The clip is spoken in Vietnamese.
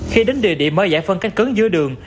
trên địa điểm mới giải phân cách cứng dưới đường